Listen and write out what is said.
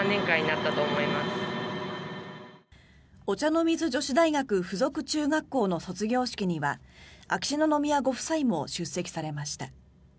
お茶の水女子大学附属中学校の卒業式には秋篠宮ご夫妻も出席されました。